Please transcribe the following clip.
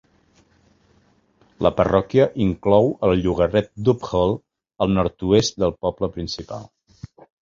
La parròquia inclou el llogaret d'Uphall al nord-oest del poble principal.